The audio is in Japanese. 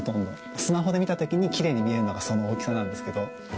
スマホで見た時にキレイに見えるのがその大きさなんですけど。